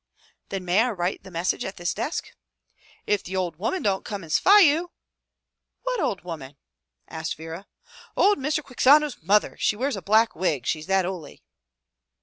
"Then may I write the message at this desk?" " If the ould woman don't come in and sphy you!" "What old woman?" asked Vera. "Ould Mr. Quixano's mother. She wears a black wig, she's that houly."